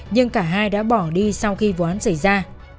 nhưng cả hai đã bỏ đi sau khi vụ án xảy ra